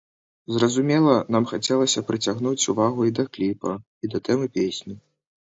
Зразумела, нам хацелася прыцягнуць увагу і да кліпа, і да тэмы песні.